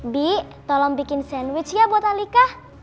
bi tolong bikin sandwich ya buat alika